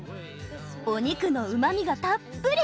お肉のうまみがたっぷり。